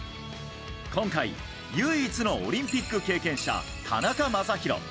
今回、唯一のオリンピック経験者田中将大。